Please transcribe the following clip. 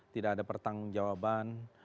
tidak ada pertanggung jawaban